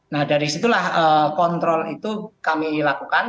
nah dari situlah kontrol itu kami lakukan